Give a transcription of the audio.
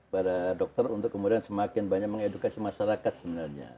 para dokter untuk kemudian semakin banyak mengedukasi masyarakat sebenarnya